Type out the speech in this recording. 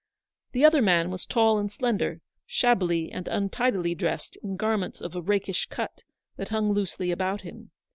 The other man was tall and slender, shabbily and untidily dressed in garments of a rakish cut, that hung loosely about him.